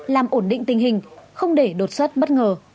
làm ổn định tình hình không để đột xuất bất ngờ